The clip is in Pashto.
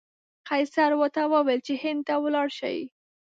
قیصر ورته وویل چې هند ته ولاړ شي.